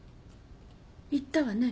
言ったわね